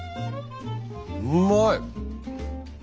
うまい！